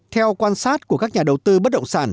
theo quan sát của các nhà đầu tư bất động sản